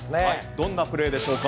どんなプレーでしょうか？